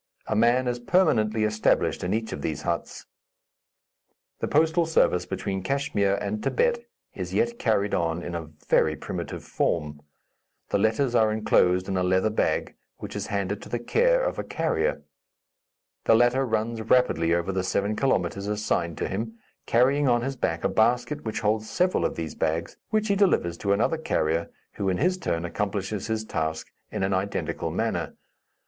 A man is permanently established in each of these huts. The postal service between Kachmyr and Thibet is yet carried on in a very primitive form. The letters are enclosed in a leather bag, which is handed to the care of a carrier. The latter runs rapidly over the seven kilometres assigned to him, carrying on his back a basket which holds several of these bags, which he delivers to another carrier, who, in his turn, accomplishes his task in an identical manner.